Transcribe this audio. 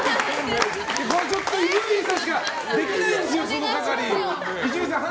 これは伊集院さんしかできないんですよ、その係！